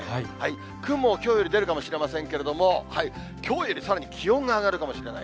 雲、きょうより出るかもしれませんけれども、きょうよりさらに気温が上がるかもしれない。